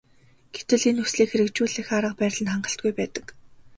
Гэтэл энэ хүслийг хэрэгжүүлэх арга барил нь хангалтгүй байдаг.